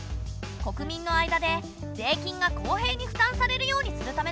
国民の間で税金が公平に負担されるようにするためだ。